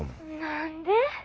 何で？